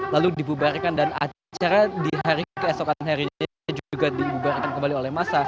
lalu dibubarkan dan acara di hari keesokan hari ini juga dibubarkan kembali oleh masa